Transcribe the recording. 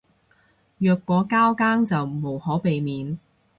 若果交更就無可避免